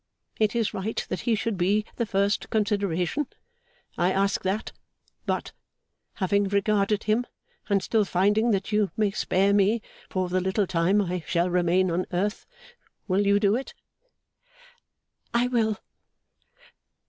It is right that he should be the first consideration. I ask that. But, having regarded him, and still finding that you may spare me for the little time I shall remain on earth, will you do it?' 'I will.